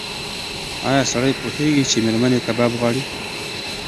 ایا سړی پوهېږي چې مېرمن یې کباب غواړي؟